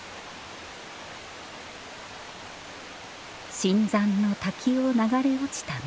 深山の滝を流れ落ちた水。